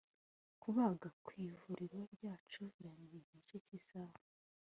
kubaga, ku ivuriro ryacu, birangiye mu gice cy'isaha